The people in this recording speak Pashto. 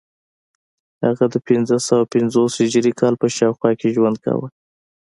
هغه د پنځه سوه پنځوس هجري کال په شاوخوا کې ژوند کاوه